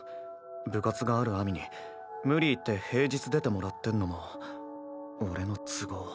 部活がある秋水に無理言って平日出てもらってんのも俺の都合。